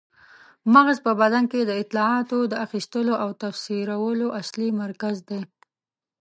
مغز په بدن کې د اطلاعاتو د اخیستلو او تفسیرولو اصلي مرکز دی.